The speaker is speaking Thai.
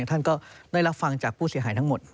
ท่านก็ได้รับฟังจากผู้เสียหายทั้งหมด